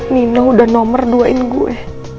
nino udah nomer duain gue